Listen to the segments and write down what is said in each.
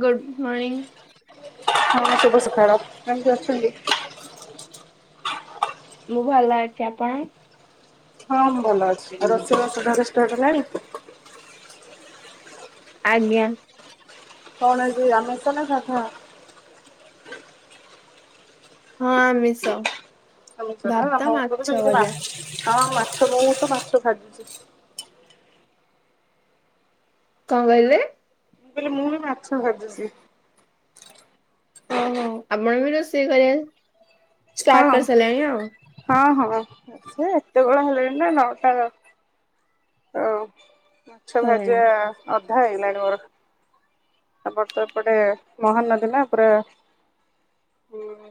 ଗୁଡ଼ ମଣିିଂ। ହଁ ବା ସୁଭ ସକାଳ କେମିତି ଅସଛନ୍ତି? ମୁଁ ଭଲ ଅଛି ଆପଣ? ହଁ ମୁଁ ଭଲ ଅଛି ଆଉ ରୋସେଇବାସ ଘରେ ଷ୍ଟାଟେ ହେଲାଣି? ଆଜ୍ଞା। କଣ ହେଛି ଆମିଷ ନା ଶାଧା? ହଁ ଆମିଷ। ଆମିଷ ନା ଭାତ ଆମ ଉପରେ ମାଛ ଭଜା ସେଇଯୋଉ ହଁ ମାଛ ବୋହୁତ ମାଛ ଭାଜିଛି। କଣ କହିଲେ? କହିଲି ମୁଁ ବି ମାଛ ଭାଯୁଚି। ଓହୋ ଆପଣ ବି ରୋଷେଇ କରିବା ଷ୍ଟାର୍ଟ ହଁ କରିସାରିଲେଣି ଆଉ। ହଁ ହଁ ସେ ଏତେବେଳ ହେଲେଣି ନା ନଅଟାର ଆଉ ମାଛ ହୁଁ ଭାଜିବା ଅଧା ହେଇଗଲାଣି ମୋର। ଆମ ତ ଏପଟେ ମହା ନଦୀ ନା ପୁରା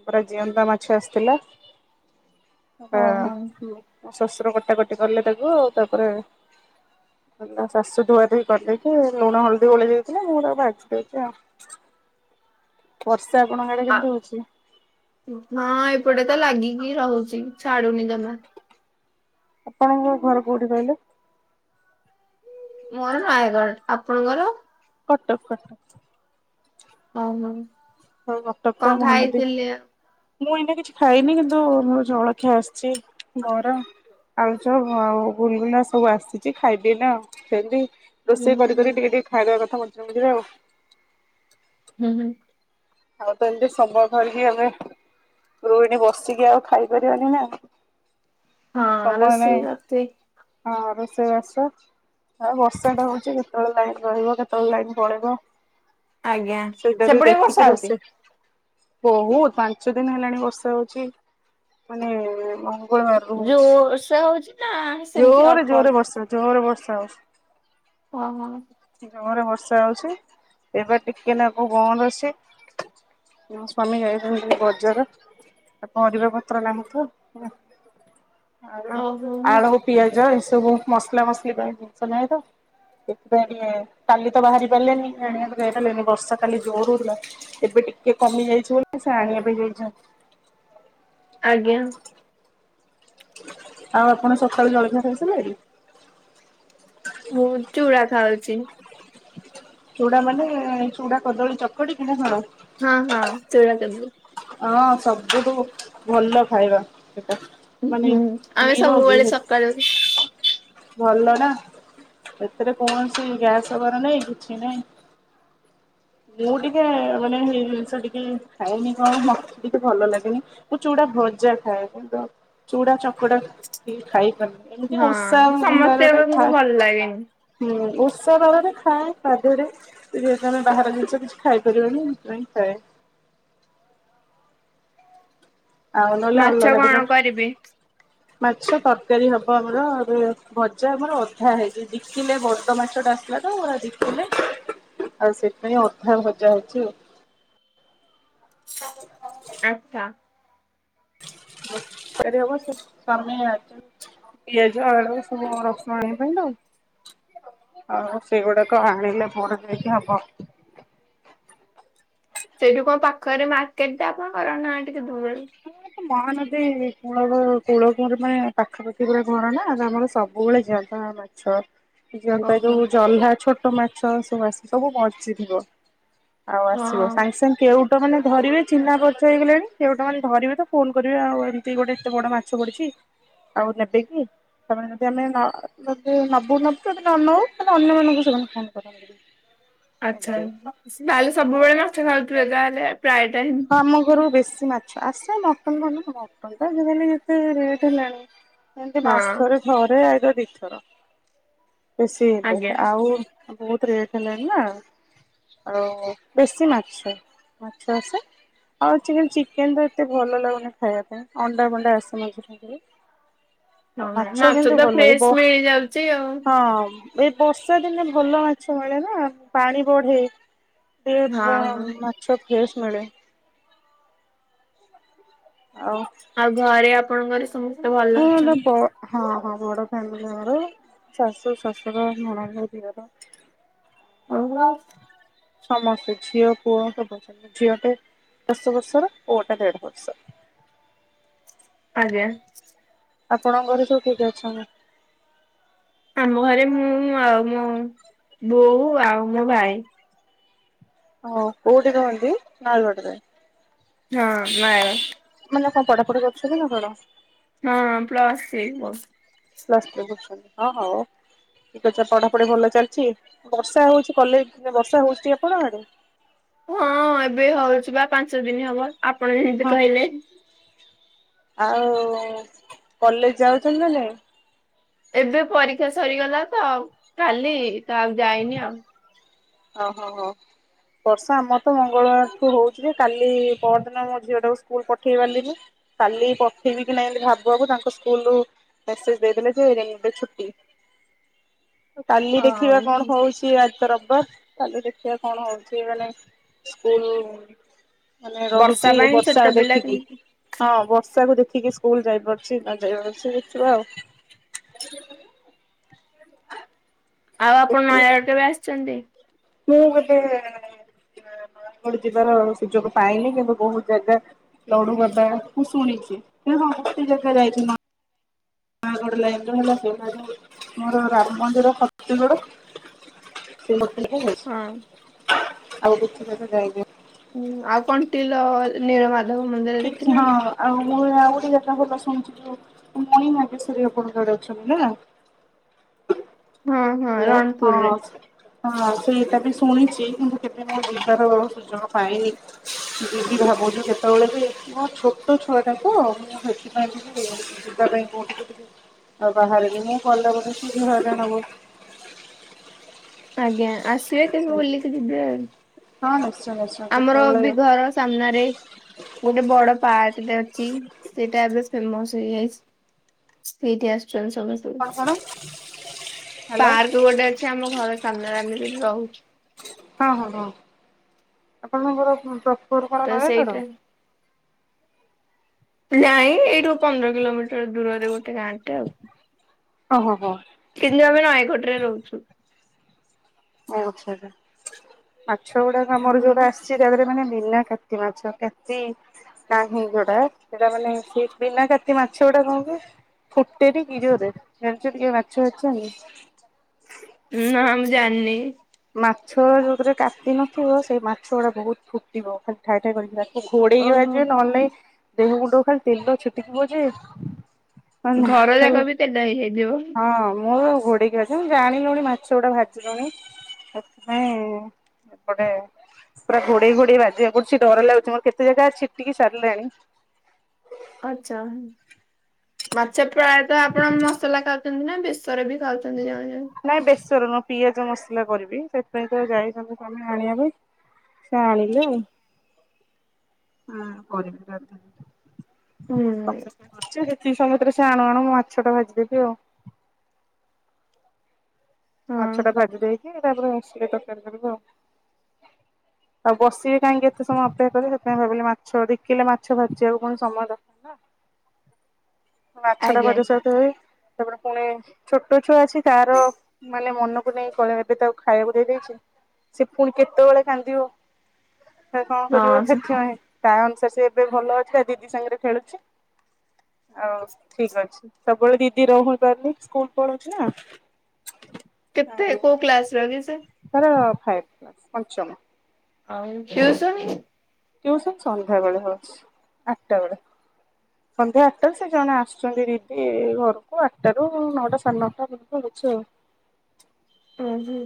ପୁରା ଜିଅନ୍ତା ମାଛ ଆସିଥିଲା ପୁରା ଓହୋ। ମୋ ଶଶୁର କଟାକଟି କଲେ ତାକୁ ତାପରେ ମୋ ଶାଶୁ ଧୁଆ ଧୁଇ କରିଦେଇକି ଲୁଣ ହଳଦୀ ଗୋଳେଇ ଦେଇଥିଲେ ମୁଁ ତାକୁ ଭାଜିି ଦେଇଛି ଆଉ। ବର୍ଷା ଆପଣଙ୍କ ଆାଡେ କେମିତି ହୋଉଚି? ହଁ ଏପଟେ ତ ଲାଗିକି ରହୁଚି ଛାଡୁନି ଯମା। ଆପଣଙ୍କର ଘର କୋଉଠି କହିଲେ? ମୋ ଘର ନୟାଗଡ ଆପଣଙ୍କର? କଟକ କଟକ। ଓହୋ ହଁ କଟକ ତ କଣ ମହାନଦୀ। ଖାଇଥିଲେ? ମୁଁ ଏଇନା କିଛି ଖାଇନି କିନ୍ତୁ ମୋର ଜଳଖି ଆସିଚି ବରା। ଆଳୁଚପ୍ ହଁ ଆଉ ଗୁଲୁଗୁଲା ସବୁ ଆସିଚି ଖାଇଦିଏନା ସେମିତି। ହୁଁ ରୋଷେଇ ହୁଁ କରି କରି ହୁଁ ଟିକେ ଟିକେ ଖାଇଦବା କଥା ମଝିରେ ମଝିରେ ଆଉ। ହୁଁ ହୁଁ। ଆଉ ତ ଏମିତି ସମୟ ଧରିକି ଏବେ। ରୋହିଣୀ ବସିକି ଆଉ ଖାଇପାରିବାନେହିଁ ନା। ହଁ ସମୟ ରୋଷେଇ ନାହିଁ କରିଥିଲି ହଁ ରୋଷେଇ ବାସ। ହଁ ବର୍ଷା ଟା ହଉଚି କେତୋଳେ ଲାଇନ୍ ରହିବ କେତୋଳେ ଲାଇନ୍ ପଳେଇବ। ଆଜ୍ଞା ସେଇଟା ସେପଟେ ବି ବର୍ଷା ହଉଚି? ବହୁତ୍ ପାଞ୍ଚ ଦିନି ହେଲାଣି ବର୍ଷା ହଉଚି ମାନେ ବୋହୁ। ଯୋର୍ ସେ ହୋଉଚି ନା? ସେମିତି ଜୋରେ ଅଳ୍ପ ଅଳ୍ପ? ଜୋରେ ବର୍ଷା ଜୋରେ ବର୍ଷା ହୋଉଚି। ଓ ହୋ। ଜୋରେ ବର୍ଷା ହେଉଛି ଏବା ଟିକେ ନାକୁ ବନ୍ଦ ଅଛି। ମୋ ସ୍ଵାମୀ ଯାଇଚନ୍ତି ବଜର। ପରିବା ପତ୍ର ନାହଁ ତ ଓହୋ ଆଳୁ। ପିଆଜ ଏସବୁ ମସଲା ମସଲି ପାଇଁ ଜିନଷ ନାହିଁ ତ। ସେଥିପାଇଁ ଇଏ କାଲି ତ ବାହାରି ପାରିଲେନି ଆଣିବାକୁ ଯାଇପାରିଲେନି ବର୍ଷା କାଲି ଜୋର ହୋଉଥୁଲା। ଏବେ ଟିକେ କମି ଯାଇଛି ବୋଲି ସେ ଆଣିବା ପାଇଁ ଯାଇଛନ୍ତି। ଆଜ୍ଞା। ଆଉ ଆପଣ ସଖାଳୁ ଜଳଖିଆ କରୁଥିଲେ କି? ମୁଁ ଚୁଡ଼ା ଖାଉଚି। ଚୁଡା ମାନେ ଚୁଡା କଦଳୀ ଚକଡି କିନା କଣ? ହଁ ହଁ ଚୁଡା କଦଳୀ। ଅଁ ସବୁଠୁ ଭଲ ଖାଇବା ସେଟା। ଉଁ ମାନେ ହୁଁ ଆମେ ନିରୋଗୀ ସବୁବେଳେ ସକାଳୁ। ଭଲ ନା ଏଥିରେ କୌଣସି ଗ୍ୟାସ ହବାର ନାାଇଁ କିଛି ନାଇଁ। ମୁଁ ଟିକେ ମାନେ ହେଇ ଜିନିଷ ଟିକେ ଖଏନି କଣ ମତେ ଟିକେ ଭଲ ଲାଗେନି। ମୁଁ ଚୁଡା ଭଜା ଖାଏ ଗୁଣ୍ଡ ଚୁଡା ଚକଡା କି ଖାଇପାରୁନି। ଏମିତି ଓଷା ହଁ ବାରରେ ସମସ୍ତଙ୍କୁ ଖାଏ ଭଲ ଲାଗେନି ହୁଁ ଓଷା ବାରରେ ଖାଏ। ତାପରେ ପିରୀୟତର ବାହାର ଜିନିଷ କିଛି ଖାଇପାରିବନି ସେଥିପାଇଁ ଖାଏ। ଆଉ ନଲେ ମାଛ ଅଲଗା କଣ ଦିନ। କରିବି। ମାଛ ତରକାରୀ ହବ ଆମର ଏବେ ଭଜା ଆମର ଅଧା ହେଇଚି ଦି ଦି କିଲେ ବଡ଼ ମାଛ ଟା ଆସିଥିଲା ତ ପୁରା ଦି କିଲେ। ଆଉ ସେଥିପାଇଁ ଅଧା ଭଜା ହେଇଚି ଆଉ। ଆଚ୍ଛା। ତିଆରି ହବ ସେ ସମୟ ଅଛି। ପିଆଜ ଆଳୁ ସବୁ ରସୁଣ ଆଣିବା ପାଇଁ ତ ଆଉ ସେଗୁଡାକ ଆଣିଲେ ପରେ ଯାଇକି ହବ। ସେଇଠୁ କଣ ପାଖରେ ମାର୍କେଟ ଟା ଆପଣଙ୍କର ନା ଟିକେ ଦୂର? [unintelligible] ମହାନଦୀ କୂଳରୁ କୂଳକୁରେ ମାନେ ପାଖାପାଖି ପୁରା ଘର ନା ତ ଆମର ସବୁବେଳେ ଜାଗା ଛ ଯିଅନ୍ତା ଓହୋ ଯୋଉ ଜହ୍ଲା ଛୋଟ ମାଛ ସବୁ ଆସିଥିବ ସବୁ ବଞ୍ଚିଥିବ। ଆଉ ଆସିବ ହଁ। ସାଙ୍ଗେ ସାଙ୍ଗେ କେଉଟ ମାନେ ଧରିବେ ଚିହ୍ନା ପରିଚ ହେଇଗଲେଣି କେଉଟ୍ ଧରିବେ ତ ଫୋନ କରିବେ ଆଉ ଏମିତି ଗୋଟେ ଏତେ ବଡ ମାଛ ପଡିଛି ଆଉ ନେବେ କି? ସେମାନେ ଯଦି ଆମେ ଯଦି ନବୁ ନବୁ ଯଦି ନ ହଉ ତାହେଲେ ଅନ୍ୟ ମାନଙ୍କୁ ସେମାନେ ଫୋନ କରନ୍ତି। ହ [inaudible] ଆଚ୍ଛା ଯାହେଲେ ସବୁବେଳେ ମାଛ ଖାଉଥିବେ ଗାଁ ରେ ପ୍ରାୟ ଟାଇମ୍। ହଁ ଆମ ଘରୁ ବେଶୀ ମାଛ ଆସେ ମଟନ କ ମଟନ୍ ଟା ଆଜିକାଲି ଯେତେ ରେଟ୍ ହେଲାଣି। ଏମିତି ହଁ ମାସରେ ଥରେ ଆଇଦର୍ ଦିଥର ବେଶୀ ହେଲେ ଆଜ୍ଞା ଆଉ ବହୁତ ରେଟ୍ ହେଲାଣି ନା ଆଉ ବେଶୀ ମାଛ ମାଛ ଆସେ। ଆଉ ଚି ଚିକେନ ତ ଏତେ ଭଲ ଲାଗୁନି ଖାଇବା ପାଇଁ ଅଣ୍ଡା ବଣ୍ଡା ଆସେ ମଝିରେ ମଝିରେ। ଆଉ ହଁ ମାଛ କିନ୍ତୁ ତ ଭଲ ଏଇ ଫ୍ରେଶ ବ ମିଳିଯାଉଛି ଆଉ। ହଁ। ଏଇ ବର୍ଷା ଦିନେ ଭଲ ମାଛ ମିଳେ ନା ପାଣି ବଢେ। ସେ ବ ହଁ ହଁ। ମାଛ ଫ୍ରେସ୍ ମିଳେ। ଆଉ ଆଉ ଘରେ ଆପଣଙ୍କର ସମ ହଁ ଦବ ହଁ ହଁ ବଡ ଫ୍ୟାମିଲି ଆମର ଶାଶୁ ଶଶୁର ନଣନ୍ଦ ଦିଅର। [unintelligible] ସମସ୍ତେ ଝିଅ ପୁଅ ସମସ୍ତେ ଝିଅ ଟେ ଦଶ ବର୍ଷ ର ପୁଅଟା ଦେଢ଼ ବର୍ଷ ର। ଆଜ୍ଞା। ଆପଣଙ୍କ ଘରେ ସବୁ କିଏ କିଏ ଅଛନ୍ତି? ଆମ ଘରେ ମୁଁ ଆଉ ମୋ ବୋଉ ଆଉ ମୋ ଭାଇ। ଅଁ କଉଠି ରୁହନ୍ତିି ନୟାଗଡ଼ ରେ। ହଁ ନୟାଗଡ଼। ମାନେ କଣ ପଢାପଢି କରୁଛନ୍ତି ନା କଣ? ହଁ ପ୍ଲସ୍ ଥ୍ରି କର ପ୍ଲସ୍ ଥ୍ରୀ ପଢୁଛନ୍ତି ହଁ ହଉ। ଠିକ୍ ଅଛି ଆ ପଢାପଢି ଭଲ ଚାଲିଚି ବର୍ଷା ହଉଚି କଲେଜ ବର୍ଷା ହଉଚି ଟି ଆପଣ ଆଡେ? ହଁ ଏବେ ହଉଚି ବା ପାଞ୍ଚ ଦିନ ହବ ଆପଣ ଯେମିତି ହଁ। କହିଲେ। ଆଉ ଉ କଲେଜ ଯାଉଚନ୍ତି ନା ନାହିଁ? ଏବେ ପରୀକ୍ଷା ସରିଗଲା ତ କାଲି ତ ଆଉ ଯାଇନି ଆଉ। ଅ ହ ହ। ବର୍ଷା ଆମର ତ ମଙ୍ଗଳବାରଠୁ ହଉଚି ଯେ କାଲି ପହର ଦିନ ମୋ ଝିଅ ଟାକୁ ସ୍କୁଲ ପଠେଇ ପାରିଲିନି। କାଲି ପଠେଇବି କି ନାହିଁ ଭାବୁ ଭାବୁ ତାଙ୍କ ସ୍କୁଲରୁ ମେସେଜ ଦେଇଦେଲେ ଯେ ରେନି ଡେ ଛୁଟି। ଆଉ କାଲି ହଁ ଦେଖିବା କଣ ହଉଛି ଆଜି ତ ରବିବାର। କାଲି ଦେଖିବା କଣ ହଉଛି ମାନେ ସ୍କୁଲ ମାନେ ବର୍ଷା ରହୁଚି ପାଇଁ ଛୋଟ ବର୍ଷା ପିଲା ଦେଖିକି କେମିତି ହଁ ବର୍ଷାକୁୁ ଦେଖିକି ସ୍କୁଲ ଯାଇପାରୁଛି ନ ଯାଇପାରୁଛି ଦେଖିବା ଆଉ ଆଉ ଆପଣ ଦେଖିବି ନୟାଗଡ଼ କେବେ ଆସିଛନ୍ତି? ମୁଁ ଗୋଟେ ଏ ନୟାଗଡ ଯିବାର ସୁଯୋଗ ପାଇନି କିନ୍ତୁ ବହୁତ ଜାଗା ଲଡୁ ବାବା ମୁଁ ଶୁଣିଛି ହେ ସମସ୍ତେ ଜାଗା ଯାଇଛି। ନୟାଗଡ ଲାଇନ ର ହେଲା ସେଇଟା ତ ମୋର ରାମ ମନ୍ଦିର ଫତିଗଡ ସେଇ ମନ୍ଦିରକୁ ହଁ। ଯାଇଛି ଆଉ କିଛି ଜାଗା ଯାଇନାହିଁ। ହୁଁ ଆଉ କଣ୍ଟିଲ ନୀଳ ମାଧବ ମନ୍ଦିର ଠିକ ହଁ ଦେଖିନାନ୍ତି। ଆଉ ମୁଁ ଆଉ ଗୋଟେ ଜାଗା ଭଲ ଶୁଣିଛି ଯୋଉ ମଣିନାଗେଶ୍ଵରୀ ଆପଣଙ୍କ ଆଡେ ଅଛନ୍ତି ନା। ହଁ ହଁ ହାଲୋ ହଁ ରଣପୁରରେ। ହଁ ସେଇଟା ବି ଶୁଣିଚି କିନ୍ତୁ କେବେ ମୁଁ ଯିବାର ସୁଯୋଗ ପାଇନି। ଯିବି ଭାବୁଛୁ କେତେବେଳେ ବି ନା ଛୋଟ ଛୁଆଟା ତ ସେଥିପାଇଁ ଟିକେ ଯିବା ପାଇଁ କଉଠିକୁ ଟିକେ ଆଉ ବାହାରେନି ମୁଁ ଗଲା ମାନେ ସିଏ ବି ହଇରାଣ ହବ। ଆଜ୍ଞା ଆସିବେ କେବେ ବୁଲିକି ଯିବେ ଆଉ ହଁ ନିଶ୍ଚୟ ଆସି ଆମର ବି ଘର ସାମ୍ନାରେ ଗୋଟେ ବଡ ପାର୍କଟେ ଅଛି ସେଇଟା ଏବେ ଫେମସ ହେଇଯାଇଛି। ସେଇଠି ଆସୁଛନ୍ତି ସମସ୍ତେ କଣ କଣ ହ୍ୟାଲୋ ପାର୍କ ଗୋଟେ ଅଛି ଆମ ଘର ସାମ୍ନାରେ ଆମେ ଯଉଠି ରହୁଛୁ। ହଁ ହଁ ହଁ ଆପଣଙ୍କ ଘର ପ୍ରୋପର କଣ ତ ନୟାଗଡ଼? ସେଇଟା ନାଇଁ ଏଇଠୁ ପନ୍ଦର କିଲୋମିଟର ଦୂରରେ ଗୋଟେ ଗାଁଟେ ଆଉ। ଓହୋ ହୋ କିନ୍ତୁ ଆମେ ନୟାଗଡ଼ ରେ ରହୁଛୁ। ଓ ଆଚ୍ଛା ଆଚ୍ଛା ମାଛ ଗୁଡାକ ଆମର ଯୋଉଟା ଆସିଛି ସେଗୁଡା ମାନେ ବିନା କାତି ମାଛ କାତି ନାହିଁ ଯୋଉଟା ସେଟା ମାନେ ସେ ବିନା କାତି ମାଛ ଗୁଡା କଣ କୁ ଫୁଟେନି କି ଜୋରରେ ଜାଣିଛ କେମିତି ମାଛ ବାଛନ୍ତି? ନାଁ ମୁଁ ଜାଣିନି। ମାଛ ଯୋଉଥିରେ କାତି ନଥିବ ସେଇ ମାଛ ଗୁଡା ବହୁତ ଫୁଟିବ ଖାଲି ଠାଏ ଠାଏ କରିକିନା। ଘୋଡେଇ କି ଓହୋ ଭାଜିବେ ନହେଲେ ନାହିଁ ଦେହ ମୁଣ୍ଡକୁ ଖାଲି ତେଲ ଛିଟିକିବ ଯେ ଘର ଯାକ ଆଉ ବି ତେଲ ହେଇଯାଇଥିବ। ହଁ ମୁଁ ଘୋଡେଇକି ଆସି ଜାଣିଲୁଣି ମାଛ ଗୁଡା ଭାଜିଲୁଣି ସେଥିପାଇଁ ଗୋଟେ ପୁରା ଘୋଡେଇ ଘୋଡେଇ ଭାଜିବାକୁ ପଡୁଛି ଡର ଲାଗୁଛି ମୋର କେତେ ଜାଗା ଛିଟିକି ସାରିଲାଣି। ଆଚ୍ଚା ମାଛ ପ୍ରାୟତଃ ଆପଣ ମସଲା କାଉ ନା ବେସର ବି ଖାଉଛନ୍ତି ଜଣେ ଜଣେ ନାଇଁ ବେସର ନୁହଁ ପିଆଜ ମସଲା କରିବି ସେଥିପାଇଁ ତ ଯାଇଛନ୍ତି ସ୍ୱାମୀ ଆଣିବାକୁ। ସଉଲିଲେ ହୁଁ କରିବି ହୁଁ ରାତିକୁ ଯେତିକି ସମୟରେ ସେ ଆଣୁ ଆଣୁ ମୁଁ ମାଛ ଟା ଭାଜିଦେବି ଆଉ। ହଁ ମାଛ ଟା ଭାଜି ଦେଇକି ତାପରେ ଆସିଲେ ତରକାରି କରିବୁ ଆଉ। ଆଉ ବସିବି କାହିଁକି ଏତେ ସମୟ ଅପେକ୍ଷା କରି ବି ସେଥିପାଇଁ ଭାବିଲି ମାଛ ଦି କିଲେ ମାଛ ଭାଜିବାକୁ ପୁଣି ସମୟ ଦରକାର୍ ହେଲା ମାଛ ଟା ଆଜ୍ଞା ଭଜା ସରୁ [unintelligible] ତାପରେ ପୁଣି ଛୋଟ ଛୁଆ ଅଛି ତାର ମାନେ ମନକୁ ନେଇ କଳେ ଏବେ ତାକୁ ଖାଇବାକୁ ଦେଇ ଦେଇେଇଛି ସେ ପୁଣି କେତେବେଳେ କାନ୍ଦିବ ସେ କଣ କରିବ ହଁ ସେଥିପାଇଁ ତା ଅନୁସାରେ ସେ ଏବେ ଭଲ ଅଛି ତା ଦିଦି ସାଙ୍ଗରେ ଖେଳୁଛି। ଆଉ ଠିକ୍ ଅଛି ସବୁବେଳେ ଦିଦି ରହପାରୁନି ସ୍କୁଲ ପଳଉଛି ନା। କେତେ ଆଉ କେଉ କ୍ଲାସ ର କି ସେ। ତାର ଫାଇଭ କ୍ଲାସ୍ ପଞ୍ଚମ। ଆଉ ଟିୟୂସନ। ଟିଉସନ୍ ସନ୍ଧ୍ୟା ବେଳେ ହଉଛି। ଆଠଟା ବେଳେ। ସନ୍ଧ୍ୟା ଆଠଟାରୁ ସେ ଜଣେ ଆସୁଛନ୍ତି ଦିଦି ଘରକୁ ଆଠଟାରୁ ନଅଟା ସାଢ଼େ ନଅଟା ପର୍ଯନ୍ତ ହଉଛି ଆଉ। ଉଁ ହୁଁ।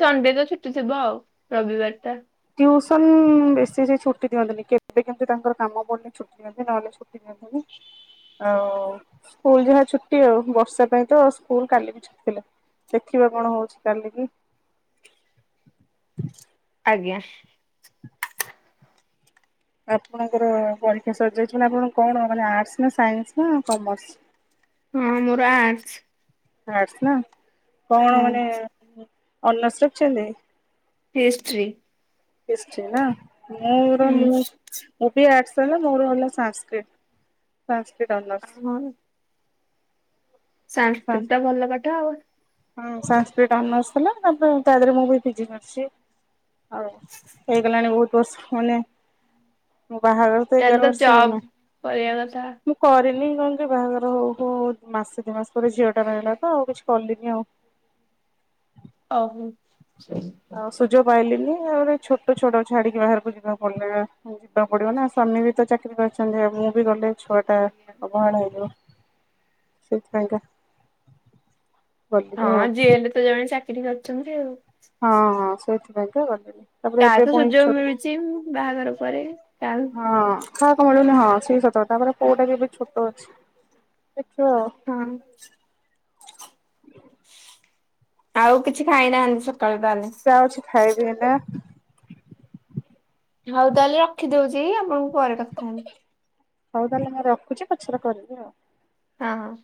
ସଣ୍ଡେ ତ ଛୁଟି ଥିବ ଆଉ ରବିବାର ଟା। ଟ୍ୟୁସନ ବେଶୀ ସେ ଛୁଟି ଦିଅନ୍ତିନି କେବେ କେମିତି ତାଙ୍କର କାମ ପଡିଲେ ଛୁଟି ଦିଅନ୍ତି ନହେଲେ ଛୁ ଆଉ ସ୍କୁଲ ଯାହା ଛୁଟି ଆଉ ବର୍ଷା ପାଇଁ ତ ସ୍କୁଲ କାଲି ବି ଛୁଟି ଥିଲା। ଦେଖିବା କଣ ହଉଛି କାଲିକି। ଆଜ୍ଞା। ଆପଣଙ୍କର ପରୀକ୍ଷା ସଜାଇଛି ମାନେ ଆପଣ କଣ ମାନେ ଆର୍ଟସ ନା ସାଇନ୍ସ ନା କମର୍ସ। ହଁ ମୋର ଆର୍ଟସ। ଆର୍ଟସ ନା କଣ ହଁ ମାନେ ଅନର୍ଷ ରଖିଛନ୍ତି? ହିଷ୍ଟ୍ରି। ହିଷ୍ଟ୍ରି ନାଁ ମୋ ର ହୁଁ। ମୁଁ ମୁଁ ବି ଆର୍ଟସ ହେଲା ମୋର ହେଲା ସାଂସକ୍ରିଟ, ସାଂସକ୍ରିଟ ଅନର୍ଷ। ଓହୋ ସାଂସ୍କ୍ରିଟ୍ ଟା ଭଲ ପାଠ ଆଉ। ହଁ ସାଂସ୍କ୍ରିଟ ଅନର୍ଷ ଥିଲା ତାପରେ ତା ଦେହରେ ମୁଁ ବି ପିଜି କରିଛି। ଆଉ ହେଇଗଲାଣି ବହୁତ ବର୍ଷ ମାନେ ମୋ ବାହାଘର। ତା ଏଗାର ହେଲେ ତ ବର୍ଷ ଜବ ହେଇଗଲାଣି। କରିବା କଥା। ମୁଁ କରିନି କଣ କି ବାହାଘର ହଉ ହଉ ମାସେ ଦିଇ ମାସ ପରେ ଝିଅ ଟା ରହିଗଲା ତ ଆଉ କିଛି କଲିନି ଆଉ। ଓ ହୋ। ଆଉ ସୁଯୋଗ ପାଇଲିନି ତାପରେ ଛୋଟ ଛୁଆଟା କୁ ଛାଡିକି ବାହାରକୁ ଯିବାକୁ ପଡିଲା। ଯିବାକୁ ପଡିବନା ସ୍ୱାମୀ ବି ତ ଚାକିରି କରିଛନ୍ତି ଆଉ ମୁଁ ବି ଗଲେ। ଛୁଆଟା ଅବହେଳା ହେଇଯିବ ସେଇଥିପାଇଁ କା। ହଁ ଯିଏ ହେଲେ ତ ଜଣେ ଚାକିରି କରିଛନ୍ତି ଆଉ। ହଁ ହଁ ସେଇଥିପାଇଁ କା ଗଲିନି। ତାପରେ କାହା ଏବେ କୁ ପୁଣି ସୁଯୋଗ ଛୋଟ ମିଳୁଛି ବାହାଘର ପରେ କାହାକୁ। କାହାକୁ ମିଳୁନି ହଁ ସିଏ ବି ସତ କଥା ତାପରେ ପୁଆଟା ବି ଏବେ ଛୋଟ ଅଛି। ଦେଖିବା ଆଉ। ହଁ। ଆଉ କିଛି ଖାଇନାହାନ୍ତି ସକାଳୁ ତାହେଲେ। ଯାଉଛି ଖାଇବି ଏଇନା। ହଉ ତାହେଲେ ରଖିଦଉଛି ଆପଣଙ୍କୁ ପରେ କଥା ହେବି। ହଉ ତାହେଲେ ମୁଁ ରଖୁଛି ପଛରେ କରିବି ଆଉ। ହଁ ହଁ।